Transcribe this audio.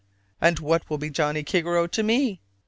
And what will be Johnnie Kigarrow to me?"